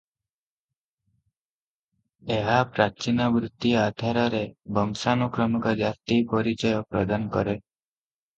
ଏହା ପ୍ରାଚୀନ ବୃତ୍ତି ଆଧାରରେ ବଂଶାନୁକ୍ରମିକ ଜାତି-ପରିଚୟ ପ୍ରଦାନ କରେ ।